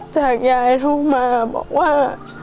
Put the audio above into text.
จากยายโทรมาบอกว่า